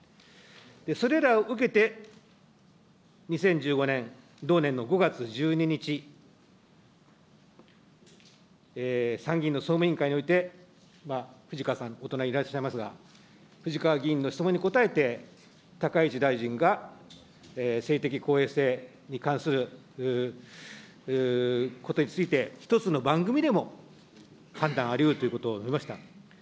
それらを受けて、２０１５年、同年の５月１２日、参議院の総務委員会において、藤川さん、お隣いらっしゃいますが、藤川議員の質問に答えて、高市大臣が政治的公平性に関することについて一つの番組でも判断ありうるということを述べました。